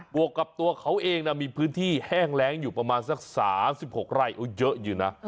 วกกับตัวเขาเองมีพื้นที่แห้งแรงอยู่ประมาณสัก๓๖ไร่เยอะอยู่นะ